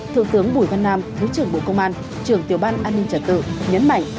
thượng tướng bùi văn nam thứ trưởng bộ công an trưởng tiểu ban an ninh trật tự nhấn mạnh